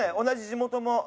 同じ地元も。